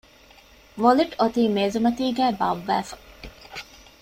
ވޮލިޓް އޮތީ މޭޒުމަތީގައި ބާއްވައިފަ